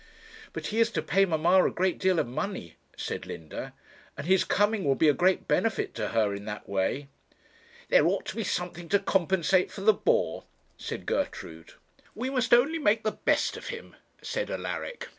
'But he is to pay mamma a great deal of money,' said Linda, 'and his coming will be a great benefit to her in that way.' 'There ought to be something to compensate for the bore,' said Gertrude. 'We must only make the best of him,' said Alaric.